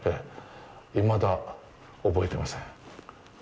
いまだ、覚えてません。